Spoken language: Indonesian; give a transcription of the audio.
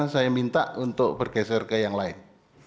saya minta untuk bergeser ke yang lain